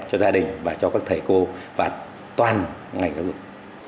cho gia đình và cho các thầy cô và toàn ngành giáo dục